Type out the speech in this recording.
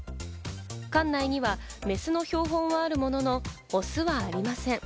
館内にはメスの標本はあるものの、オスはありません。